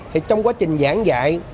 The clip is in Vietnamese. thì trong quá trình giảng dạy